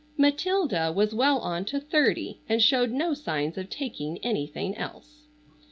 Matilda was well on to thirty and showed no signs of taking anything else.